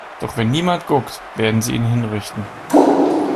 Doch wenn niemand guckt, werden sie ihn hinrichten.